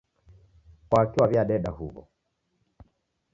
Kwaki waweadeda huw'o?